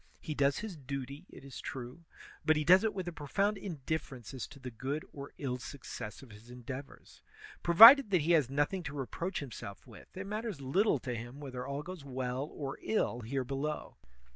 He does his duty, it is true; but he does it with a profound indifference as to the good or ill success of his endeavors. Provided that he has nothing to reproach himself with, it matters little to him whether all goes well or ill here below.